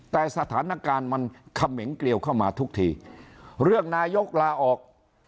แต่สถานการณ์มันเขมงเกลียวเข้ามาทุกทีเรื่องนายกลาออก